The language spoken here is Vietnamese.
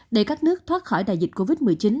để các nước thoát khỏi đại dịch covid một mươi chín